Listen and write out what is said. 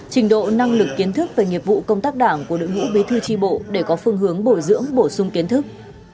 công tác đảng của đội ngũ bí thư chi bộ để có phương hướng bồi dưỡng bổ sung kiến thức